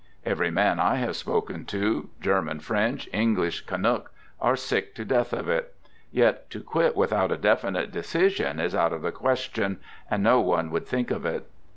Every man I have spoken to: German, French, English, Canuck, are sick to death of it; yet to quit without a definite decision is out of the question, and no one would think of it.